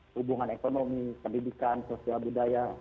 hubungan ekonomi pendidikan sosial budaya